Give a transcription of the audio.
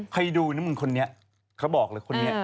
ใครดูนะมึงคนนี้เขาบอกเลยคนนี้